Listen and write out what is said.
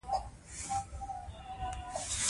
پردیان دلته ځواکونه لري.